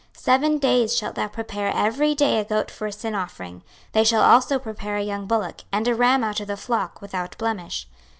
26:043:025 Seven days shalt thou prepare every day a goat for a sin offering: they shall also prepare a young bullock, and a ram out of the flock, without blemish.